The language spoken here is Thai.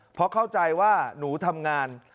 เพราะเข้าใจว่าหนูทำงาน